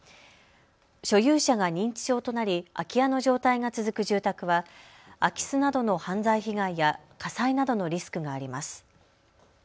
所有者が認知症となり空き家の状態が続く住宅は空き巣などの犯罪被害や火災などのリスクがあります。